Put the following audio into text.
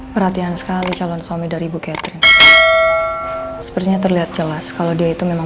perhatian sekali calon suami dari ibu catherine sepertinya terlihat jelas kalau dia itu memang